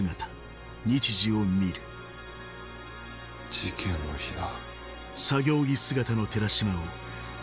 事件の日だ。